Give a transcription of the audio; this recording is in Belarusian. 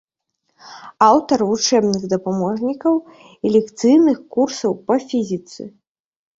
Аўтар вучэбных дапаможнікаў і лекцыйных курсаў па фізіцы.